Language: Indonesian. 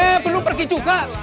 eh belum pergi juga